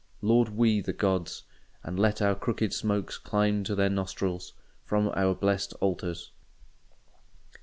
Laud we the Gods, And let our crooked smokes climb to their nostrils From our blest altars.